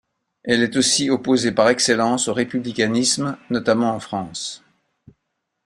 Elle est aussi opposée par excellence au républicanisme, notamment en France.